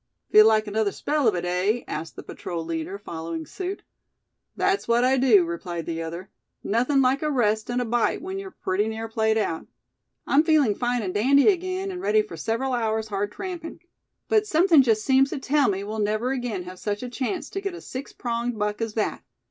"Feel like another spell of it, eh?" asked the patrol leader, following suit. "That's what I do," replied the other. "Nothing like a rest, and a bite, when you're pretty near played out. I'm feeling fine and dandy again, and ready for several hours' hard tramping. But something just seems to tell me we'll never again have such a chance to get a six pronged buck as that.